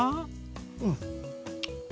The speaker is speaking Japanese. うん。